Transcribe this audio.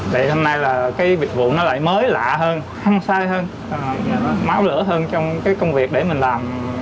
vậy hôm nay là cái dịch vụ nó lại mới lạ hơn không sai hơn máu lửa hơn trong cái công việc để mình làm